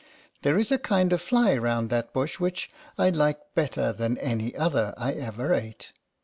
There is a kind of fly round that bush which I like better than any other I ever ate.